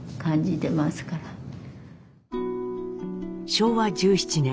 昭和１７年。